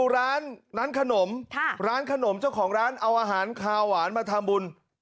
ร้านร้านขนมร้านขนมเจ้าของร้านเอาอาหารคาวหวานมาทำบุญ